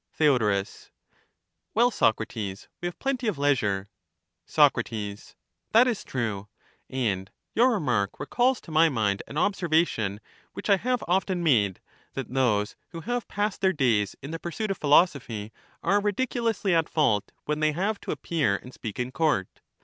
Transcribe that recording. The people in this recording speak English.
Theod, Well, Socrates, we have plenty of leisure. Soc, That is true, and your remark recalls to my mind an observation which I have oflen made, that those who have passed their days in the pursuit of philosophy are ridiculously at fault when they have to appear and speak in court.